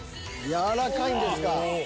軟らかいんですか。